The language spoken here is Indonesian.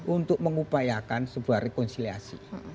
untuk mengupayakan sebuah rekonsiliasi